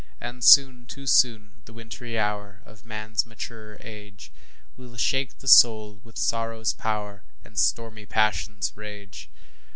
And soon, too soon, the wintry hour Of man's maturer age Will shake the soul with sorrow's power, And stormy passion's rage.